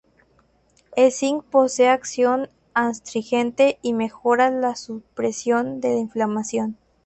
El zinc posee acción astringente y mejora la supresión de la inflamación.